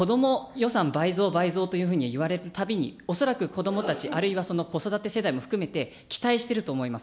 予算倍増、倍増というふうに言われるたびに、恐らく子どもたち、あるいはその子育て世代も含めて、期待してると思います。